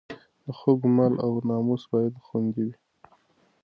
د خلکو مال او ناموس باید خوندي وي.